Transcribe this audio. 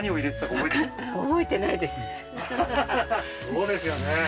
そうですよね